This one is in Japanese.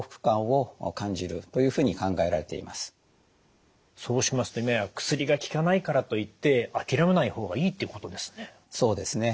実際そうしますと今や薬が効かないからといって諦めない方がいいってことですね。